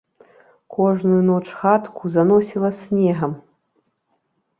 Кожную ноч хатку заносіла снегам.